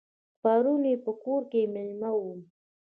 پرون یې په کور کې مېلمه وم.